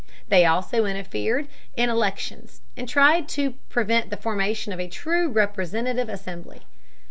They also interfered in elections, and tried to prevent the formation of a true representative assembly.